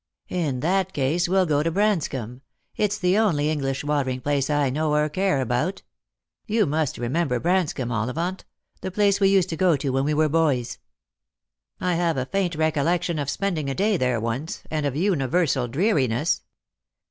" In that case we'll go to Branscomb. It's the only English watering place I know or care about. You must remember Branscomb, Ollivant; the place we used to go to when we were boys." " I have a faint recollection of spending a day there once, and of universal dreariness."